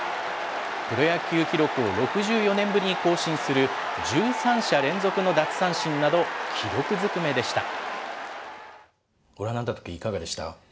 プロ野球記録を６４年ぶりに更新する、１３者連続の奪三振など、記録づくめでした。